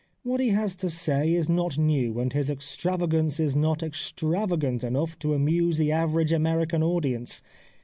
What he has to say is not new, and his extravagance is not extra vagant enough to amuse the average American audience.